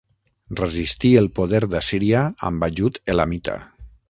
Resistí el poder d'Assíria amb ajut elamita.